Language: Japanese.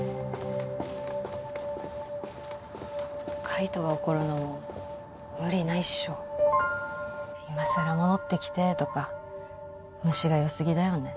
海斗が怒るのも無理ないっしょいまさら戻ってきてとか虫がよすぎだよね